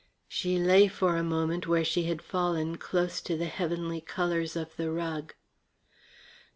She lay for a moment where she had fallen close to the heavenly colours of the rug.